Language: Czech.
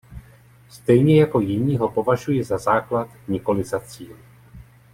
Stejně jako jiní ho považuji za základ, nikoli za cíl.